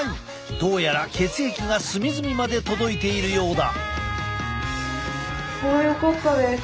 どうやら血液が隅々まで届いているようだ。